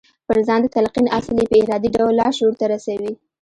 پر ځان د تلقين اصل يې په ارادي ډول لاشعور ته رسوي.